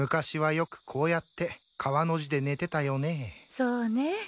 そうね。